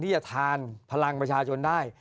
ที่จะทานพลังประชาชนได้